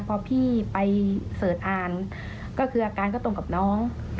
พอพี่ไปเสิร์ชอ่านก็คืออาการก็ตรงกับน้อง